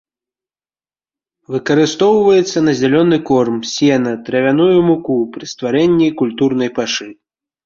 Выкарыстоўваецца на зялёны корм, сена, травяную муку, пры стварэнні культурнай пашы.